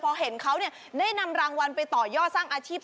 พอเห็นเขาได้นำรางวัลไปต่อยอดสร้างอาชีพ